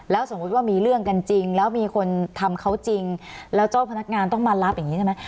สมมุติว่ามีเรื่องกันจริงแล้วมีคนทำเขาจริงแล้วเจ้าพนักงานต้องมารับอย่างนี้ใช่ไหม